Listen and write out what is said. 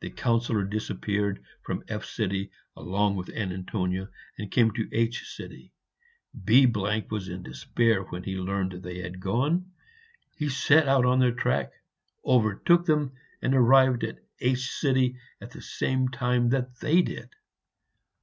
The Councillor disappeared from F along with Antonia, and came to H . B was in despair when he learned that they had gone. He set out on their track, overtook them, and arrived at H at the same time that they did.